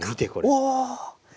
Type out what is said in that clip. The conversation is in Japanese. お！